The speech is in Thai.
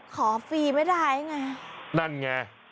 ขอฟรีไม่ได้ไง